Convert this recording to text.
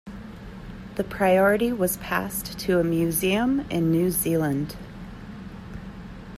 The priory was passed to a museum in New Zealand.